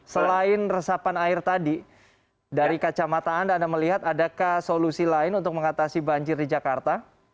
selain resapan air tadi dari kacamata anda anda melihat adakah solusi lain untuk mengatasi banjir di jakarta